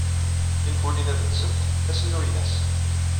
Tinfulin ad nzent ass n uynas.